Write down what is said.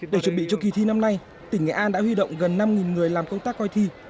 để chuẩn bị cho kỳ thi năm nay tỉnh nghệ an đã huy động gần năm người làm công tác coi thi